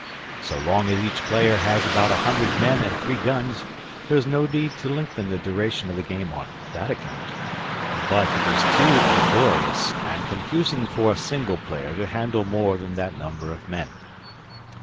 So long as each player has about a hundred men and three guns there is no need to lengthen the duration of a game on that account. But it is too laborious and confusing for a single player to handle more than that number of men.